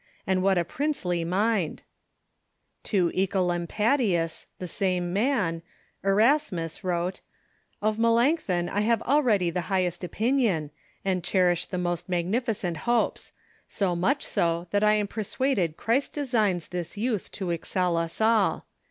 And what a princely mind !" To (Ecolampadius the same man, Erasmus, wrote : "Of Melanchthon I have already the highest opinion, and cherish the most magnificent hopes ; so much so that I am persuaded Christ designs this youth to excel us all.